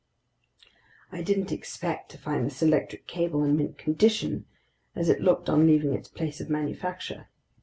I didn't expect to find this electric cable in mint condition, as it looked on leaving its place of manufacture.